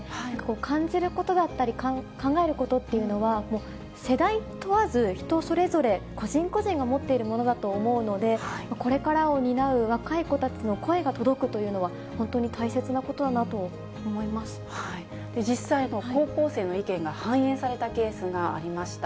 感じることだったり、考えることっていうのは、世代問わず、人それぞれ、個人個人が持っているものだと思うので、これからを担う若い子たちの声が届くというのは、実際、高校生の意見が反映されたケースがありました。